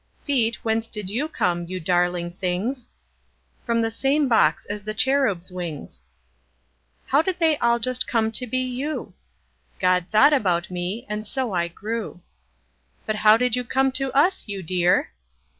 Feet, whence did you come, you darling things? From the same box as the cherubs' wings. How did they all just come to be you? God thought about me, and so I grew. But how did you come to us, you dear?